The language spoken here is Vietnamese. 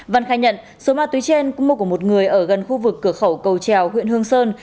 văn khai nhận số ma túy trên cũng mua của một người ở gần khu vực cửa khẩu cầu treo huyện hương sơn